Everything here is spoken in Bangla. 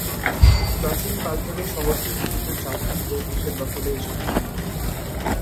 প্রাচীনকাল থেকে শহরটি বিভিন্ন জাতির ও দেশের দখলে এসেছে।